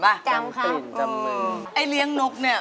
ชาดามนี่สิลูกชาดาม